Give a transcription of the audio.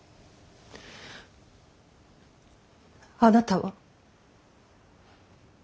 あなたは。